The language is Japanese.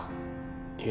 いや